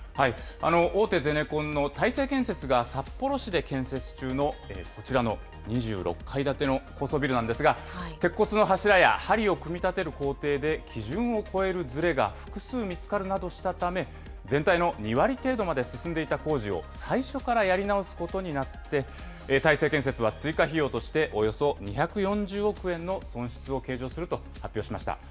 大手ゼネコンの大成建設が札幌市で建設中のこちらの２６階建ての高層ビルなんですが、鉄骨の柱やはりを組み立てる工程で基準を超えるずれが複数見つかるなどしたため、全体の２割程度まで進んでいた工事を最初からやり直すことになって、大成建設は追加費用としておよそ２４０億円の損失を計上すると発表しました。